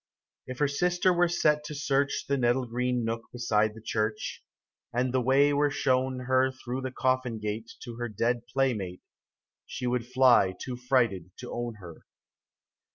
If her sister were set to search The nettle green nook beside the church, And the way were shown her Through the coffin gate To her dead playmate, She would fly too frighted to own her.